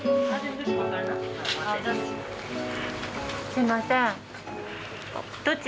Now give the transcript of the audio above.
すみません。